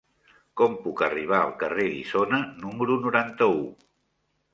Com puc arribar al carrer d'Isona número noranta-u?